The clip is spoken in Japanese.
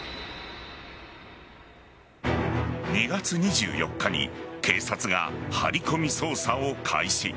２月２４日に警察が張り込み捜査を開始。